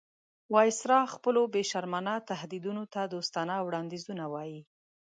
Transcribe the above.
وایسرا خپلو بې شرمانه تهدیدونو ته دوستانه وړاندیزونه وایي.